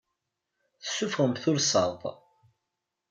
Tessuffɣem tursaḍ.